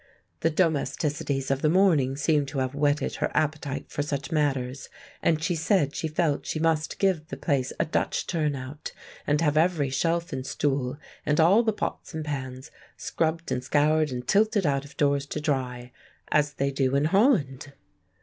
The domesticities of the morning seemed to have whetted her appetite for such matters, and she said she felt she must give the place a "Dutch" turn out, and have every shelf and stool and all the pots and pans scrubbed and scoured and tilted out of doors to dry, as they do in Holland.